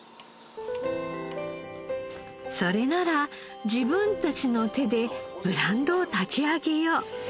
それなら自分たちの手でブランドを立ち上げよう。